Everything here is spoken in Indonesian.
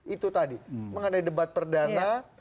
itu tadi mengenai debat perdana